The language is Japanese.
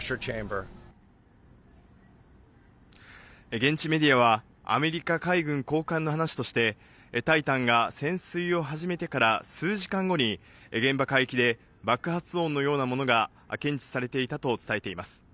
現地メディアは、アメリカ海軍高官の話として、タイタンが潜水を始めてから数時間後に、現場海域で爆発音のようなものが検知されていたと伝えています。